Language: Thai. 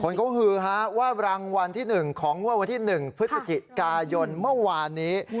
คนเขาฮือฮะว่ารางวัลที่๑ของงวดวันที่๑พฤศจิกายนเมื่อวานนี้